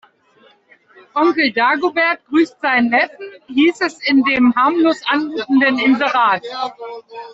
Onkel Dagobert grüßt seinen Neffen, hieß es in dem harmlos anmutenden Inserat.